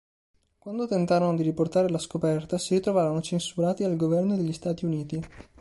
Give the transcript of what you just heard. Quando tentarono di riportare la scoperta, si ritrovarono censurati dal governo degli Stati Uniti.